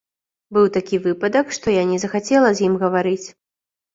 Быў такі выпадак, што я не захацела з ім гаварыць.